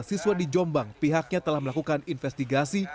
siswa di jombang pihaknya telah melakukan investigasi